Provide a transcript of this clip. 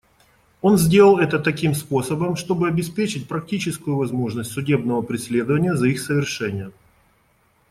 Он сделал это таким способом, чтобы обеспечить практическую возможность судебного преследования за их совершение.